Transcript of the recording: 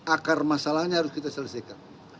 akar masalahnya harus kita selesaikan